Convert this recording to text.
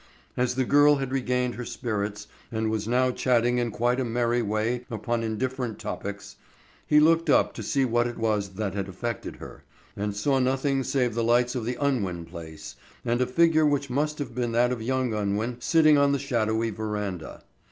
As the girl had regained her spirits and was now chatting in quite a merry way upon indifferent topics, he looked up to see what it was that had affected her, and saw nothing save the lights of the Unwin place and a figure which must have been that of young Unwin sitting on the shadowy veranda.